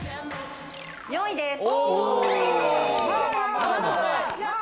４位です。